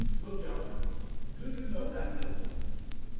Look yonder. Do you know that building?